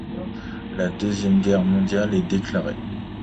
La Deuxième Guerre mondiale est déclarée.